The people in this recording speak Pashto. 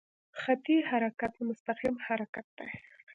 خطي حرکت مستقیم حرکت دی.